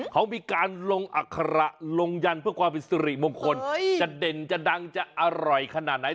เขามีการลงอัคระลงยันเพื่อความเป็นสุริมงคลจะเด่นจะดังจะอร่อยขนาดไหน